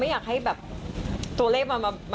ไม่อยากเบดตัวเลข